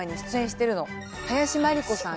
林真理子さん